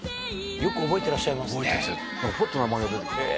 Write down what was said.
よく覚えてらっしゃいますね。